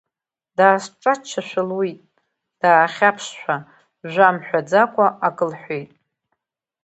Даасҿаччашәа луит, даахьаԥшшәа, жәа мҳәаӡакәа акы лҳәеит.